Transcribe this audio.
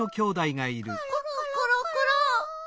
コロコロコロ。